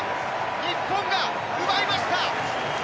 日本が奪いました！